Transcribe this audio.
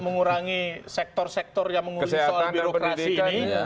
mengurangi sektor sektor yang mengurus soal birokrasi ini